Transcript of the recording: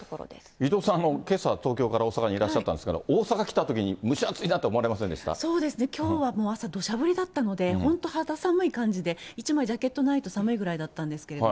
伊藤さん、けさ、東京から大阪にいらっしゃったんですから、大阪来たときに、蒸しそうですね、きょうはもう朝どしゃ降りだったので、本当、肌寒い感じで、１枚ジャケットないと寒いぐらいだったんですけれども。